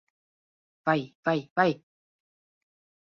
Vai, vai, vai!